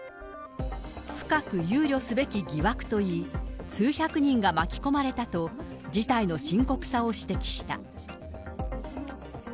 深く憂慮すべき疑惑と言い、数百人が巻き込まれたと、事態の深刻さを指摘した。